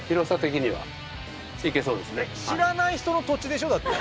知らない人の土地でしょ？だって。